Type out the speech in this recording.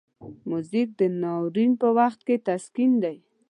موزیک د ناورین په وخت کې تسکین دی.